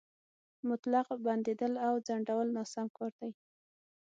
مطلق بندېدل او ځنډول ناسم کار دی.